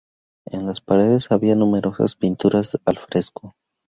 En las paredes había numerosas pinturas al fresco.